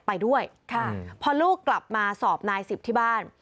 ไปด้วยค่ะพอลูกกลับมาสอบนายสิบที่บ้าน